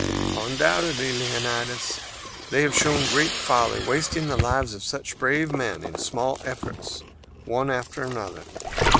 "Undoubtedly, Leonidas. They have shown folly, wasting the lives of such brave men in small efforts one after another.